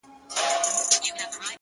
څو؛ د ژوند په دې زوال کي کړې بدل ـ